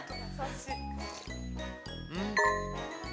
◆うん。